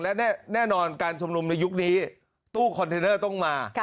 และแน่นอนการชุมนุมในยุคนี้ตู้คอนเทนเนอร์ต้องมา